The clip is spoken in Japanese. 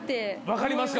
分かりますか？